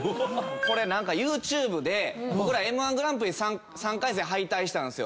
これ何かＹｏｕＴｕｂｅで僕らＭー１グランプリ３回戦敗退したんですよ